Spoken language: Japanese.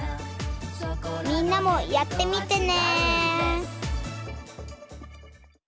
みんなもやってみてね！